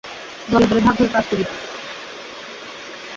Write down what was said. দলে দলে ভাগ হয়ে কাজ করি।